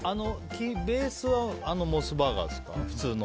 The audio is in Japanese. ベースはあのモスバーガーですか、普通の。